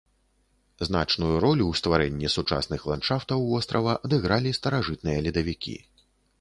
Значную ролю ў стварэнні сучасных ландшафтаў вострава адыгралі старажытныя ледавікі.